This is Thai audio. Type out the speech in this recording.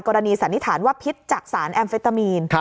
สันนิษฐานว่าพิษจากสารแอมเฟตามีน